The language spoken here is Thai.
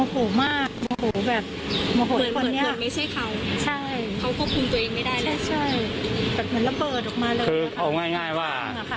คือเอาง่ายว่า